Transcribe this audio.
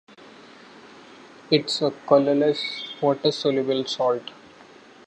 It is a colorless, water-soluble salt.